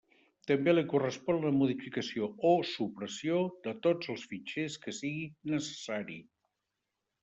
També li correspon la modificació o supressió de tots els fitxers que sigui necessari.